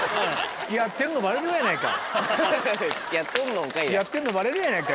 付き合ってんのバレるやないか。